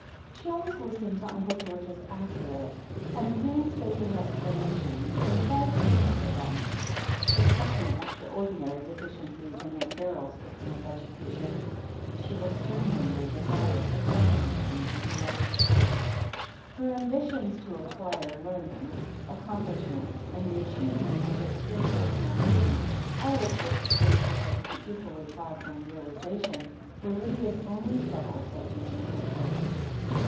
She always listened to Uncle George's accurate and painstaking explanations and tried to remember them. Suspecting extraordinary deficiencies in Aunt Beryl's THE HEEL OF ACHILLES 25 system of education, she was genuinely desirous of supplementing them whenever she could. Her ambitions to acquire learning, accomplishments, and the achievement of extreme personal beauty, all of which seemed to her to be equally far from realiza tion, were Lydia's only troubles at Regency Terrace.